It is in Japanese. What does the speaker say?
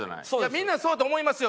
みんなそうやと思いますよ。